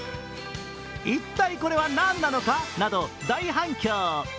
一体これは何なのかなど大反響。